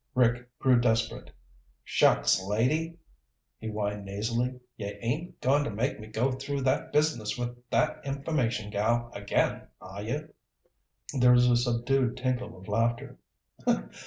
Rick grew desperate. "Shucks, lady," he whined nasally. "You ain't goin' t'make me go through that business with that information gal again, are you?" There was a subdued tinkle of laughter.